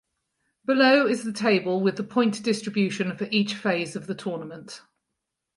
Below is the table with the point distribution for each phase of the tournament.